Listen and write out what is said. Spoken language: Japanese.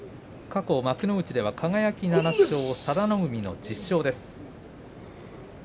過去、幕内では輝７勝佐田の海の１０勝です。